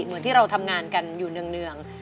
เหมือนที่เราทำงานกันอยู่เนื่อง